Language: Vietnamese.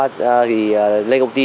thì lên công ty